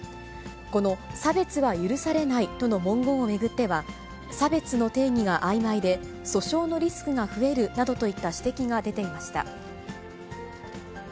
この差別は許されないとの文言を巡っては、差別の定義があいまいで、訴訟のリスクが増えるなどといった指摘が出ていました。